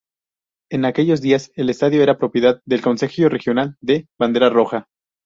En aquellos días, el estadio era propiedad del consejo regional de "Bandera Roja".